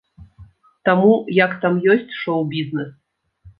Таму як там ёсць шоў-бізнес.